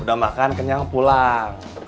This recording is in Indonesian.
udah makan kenyang pulang